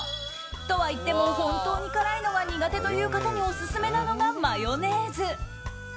とはいっても本当に辛いのが苦手という方にオススメなのがマヨネーズ。